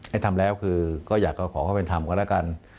ให้ทำแล้วก็อยากปลอดภัยเข้าไปทำกันที่เห็น